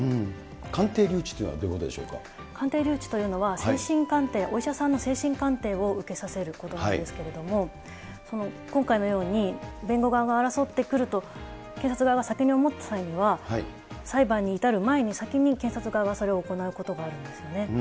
鑑定留置というのは、どうい鑑定留置というのは、精神鑑定、お医者さんの精神鑑定を受けさせることなんですけれども、今回のように、弁護側が争ってくると、検察側が先に思った際には、裁判に至る前に、先に検察側がそれを行うことがあるんですね。